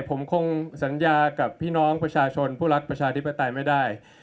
ผมคงสัญญากับพี่น้องประชาชนผู้รักประชาธิปไตยไม่ได้